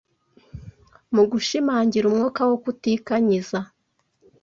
mu gushimangira umwuka wo kutikanyiza